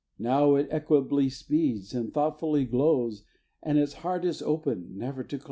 Now it equably speeds, and thoughtfully glows, And its heart is open, never to close?